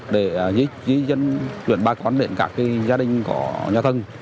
để di chuyển qua quan điểm các gia đình của nhà thân